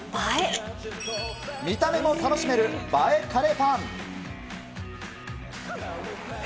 見た目も楽しめる映えカレーパン。